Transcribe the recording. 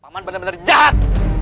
paman bener bener jahat